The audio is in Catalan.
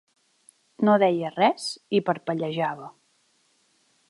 No deia res i parpellejava.